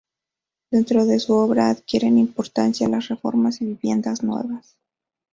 Dentro de su obra adquieren importancia las reformas y viviendas nuevas.